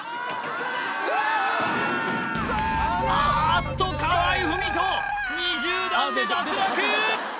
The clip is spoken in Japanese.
うわっあっと河合郁人２０段で脱落！